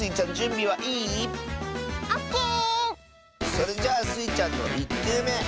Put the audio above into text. それじゃあスイちゃんの１きゅうめ！